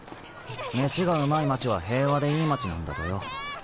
飯がうまい街は平和でいい街なんだとよ。